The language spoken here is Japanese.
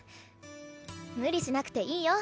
無理しなくていいよ。